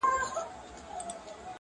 که بيا ودېدم، اينکى به مي ښه زده وي.